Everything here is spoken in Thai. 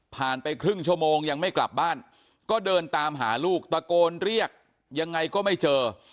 ไปครึ่งชั่วโมงยังไม่กลับบ้านก็เดินตามหาลูกตะโกนเรียกยังไงก็ไม่เจอ